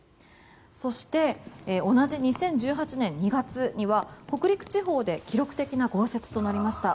そして同じ２０１８年２月には北陸地方で記録的な豪雪となりました。